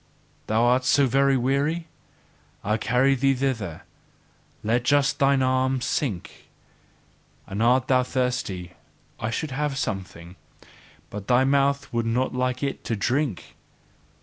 Thou art so very weary? I carry thee thither; let just thine arm sink! And art thou thirsty I should have something; but thy mouth would not like it to drink!